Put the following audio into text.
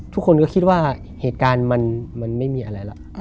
ทุกคนก็คิดว่าเหตุการณ์มันไม่มีอะไรหรอก